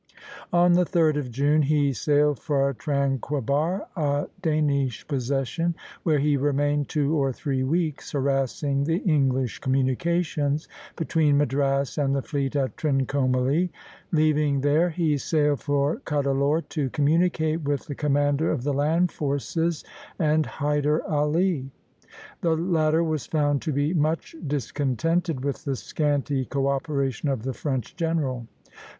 On the 3d of June he sailed for Tranquebar, a Danish possession, where he remained two or three weeks, harassing the English communications between Madras and the fleet at Trincomalee. Leaving there, he sailed for Cuddalore, to communicate with the commander of the land forces and Hyder Ali. The latter was found to be much discontented with the scanty co operation of the French general.